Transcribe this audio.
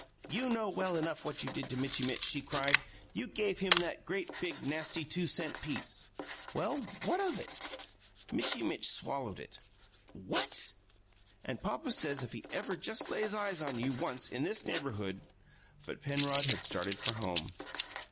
"You know well enough what you did to Mitchy Mitch!" she cried. "You gave him that great, big, nasty two cent piece!" "Well, what of it?" "Mitchy Mitch swallowed it!" "What!" "And papa says if he ever just lays eyes on you, once, in this neighbourhood " But Penrod had started for home.